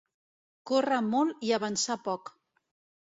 Córrer molt i avançar poc.